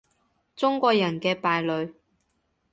中國人嘅敗類